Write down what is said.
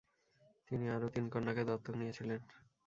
তিনি আরও তিন কন্যাকে দত্তক নিয়েছিলেন।